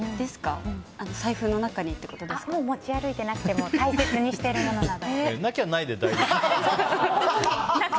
持ち歩いてなくても大切にしているものなど。